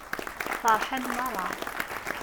Feṛḥen meṛṛa.